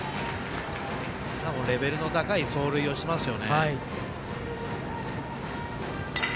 レベルの高い走塁をしますよね。